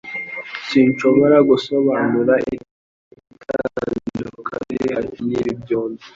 Sinshobora gusobanura itandukaniro riri hagati yibi byombi.